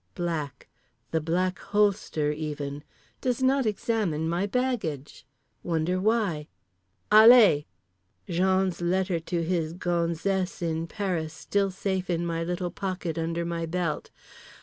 Black. The Black Holster even. Does not examine my baggage. Wonder why? "Allez!" Jean's letter to his gonzesse in Paris still safe in my little pocket under my belt.